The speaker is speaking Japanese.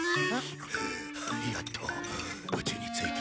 やっとうちに着いた。